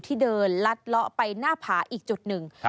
ที่เดินลัดเลาะไปหน้าผาอีกจุดหนึ่ง